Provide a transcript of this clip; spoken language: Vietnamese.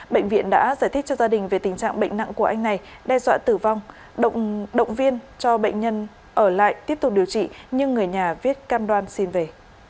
bệnh viện đã giải thích cho gia đình về tình trạng bệnh nặng của anh này đe dọa tử vong động viên cho bệnh nhân ở lại tiếp tục điều trị nhưng người nhà viết cam đoan xin về